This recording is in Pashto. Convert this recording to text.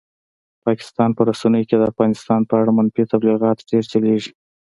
پاکستان په رسنیو کې د افغانستان په اړه منفي تبلیغات ډېر چلېږي.